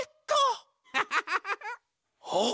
あっ！